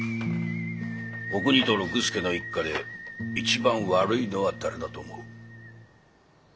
おくにと六助の一家で一番悪いのは誰だと思う？